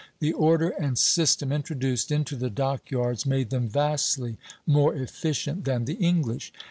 The order and system introduced into the dock yards made them vastly more efficient than the English.